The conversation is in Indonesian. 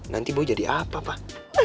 nanti mau jadi apa pak